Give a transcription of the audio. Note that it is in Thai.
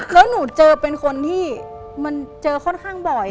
แล้วหนูเจอเป็นคนที่มันเจอค่อนข้างบ่อย